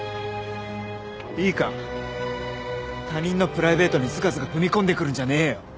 いいか他人のプライベートにズカズカ踏み込んで来るんじゃねえよ。